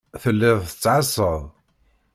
Telliḍ tettɛassaḍ.